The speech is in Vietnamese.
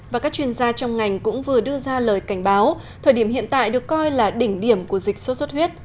và các chuyên gia trong ngành cũng vừa đưa ra lời cảnh báo thời điểm hiện tại được coi là đỉnh điểm của dịch sốt xuất huyết